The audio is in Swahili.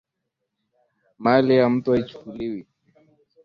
mali ya mtu haichukuliwi